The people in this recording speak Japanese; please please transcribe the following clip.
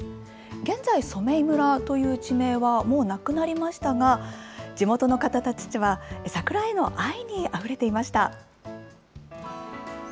現在、染井村という地名はもうなくなりましたが、地元の方たちは、桜への愛にあふれていました。